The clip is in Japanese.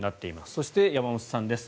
そして山本さんです。